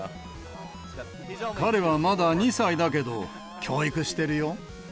彼はまだ２歳だけど教育してるよ。